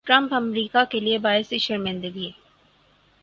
Trump امریکا کیلئے باعث شرمندگی